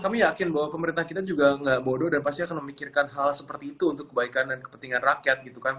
kami yakin bahwa pemerintah kita juga nggak bodoh dan pasti akan memikirkan hal seperti itu untuk kebaikan dan kepentingan rakyat gitu kan